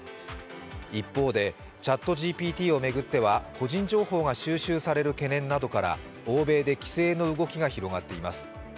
一方でＣｈａｔＧＰＴを巡っては個人情報が収集される懸念などから欧米で規制の動きが広がっています。